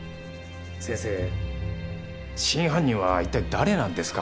先生真犯人はいったい誰なんですか？